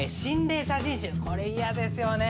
これ嫌ですよね。